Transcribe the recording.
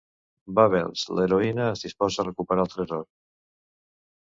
Bubbles, l'heroïna, es disposa a recuperar el tresor.